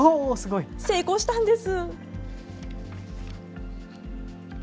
成功したんです。